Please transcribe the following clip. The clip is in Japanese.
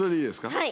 はい。